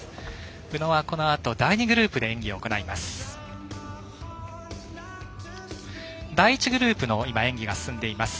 宇野はこのあと第２グループで演技を行います。